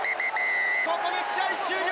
ここで試合終了。